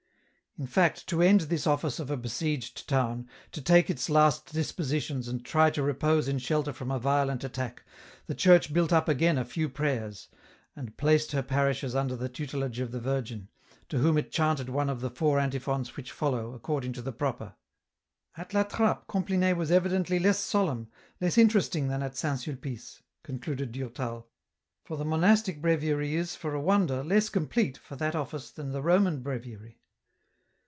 In fact, to end this Office of a besieged town, to take its last dispositions and try to repose in shelter from a violent attack, the Church built up again a few prayers, and placed her parishes ui. der the tutelage of the Virgin, to «'hom it chanted one of the four antiphons which follow, according to the Proper. " At La Trappe Compline was evidently less solemn, less interesting than at St. Sulpice," concluded Durtal, " for the monastic breviary is, for a wonder, less complete for that Office than the Roman breviary.